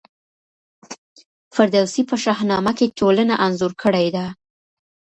فردوسي په شاهنامه کي ټولنه انځور کړې ده.